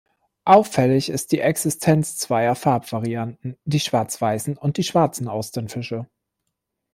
Auffällig ist die Existenz zweier Farbvarianten: die schwarz-weißen und die schwarzen Austernfischer.